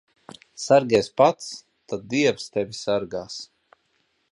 Sargies pats, tad dievs tevi sargās.